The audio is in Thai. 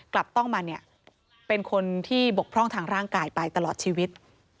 กลับต้องมาเป็นคนที่บกพร่องทางร่างกายไปตลอดชีวิต